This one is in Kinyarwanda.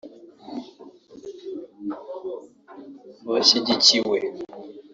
bashyigikiwe